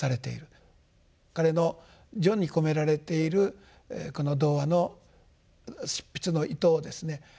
彼の序に込められている童話の執筆の意図をですね